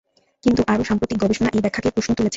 কিন্তু, আরও সাম্প্রতিক গবেষণা এই ব্যাখ্যাকে প্রশ্ন তুলেছে।